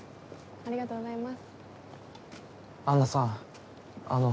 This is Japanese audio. ありがとうございます。